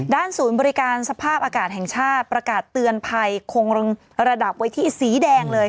ศูนย์บริการสภาพอากาศแห่งชาติประกาศเตือนภัยคงระดับไว้ที่สีแดงเลย